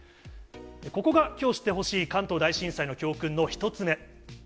ここがきょう知ってほしい関東大震災の教訓の１つ目。